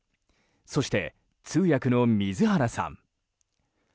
そして、通訳の水原さん。